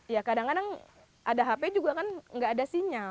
ya kadang kadang ada hp juga kan nggak ada sinyal